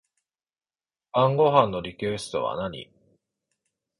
晩ご飯のリクエストは何